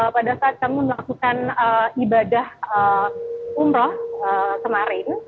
pada saat kamu melakukan ibadah umroh kemarin